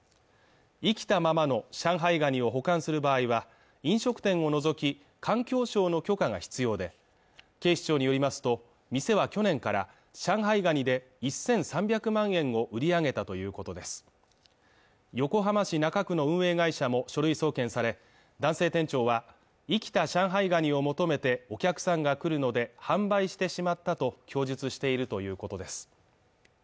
生きたままの上海ガニを保管する場合は飲食店を除き環境省の許可が必要で警視庁によりますと店は去年から上海ガニで１３００万円を売り上げたということです横浜市中区の運営会社も書類送検され男性店長は生きた上海ガニを求めてお客さんが来るので販売してしまったと供述しているということです